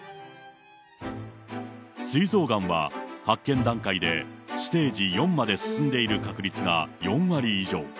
すい臓がんは、発見段階でステージ４まで進んでいる確率が４割以上。